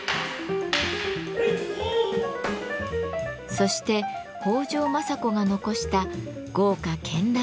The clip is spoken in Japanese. そして北条政子が残した豪華絢爛な化粧箱。